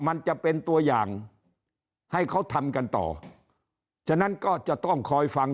มันจะเป็นตัวอย่างให้เขาทำกันต่อฉะนั้นก็จะต้องคอยฟัง